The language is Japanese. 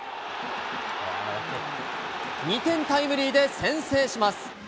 ２点タイムリーで先制します。